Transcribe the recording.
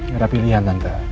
gak ada pilihan tante